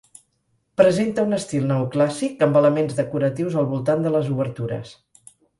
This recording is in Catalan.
Presenta un estil neoclàssic, amb elements decoratius al voltant de les obertures.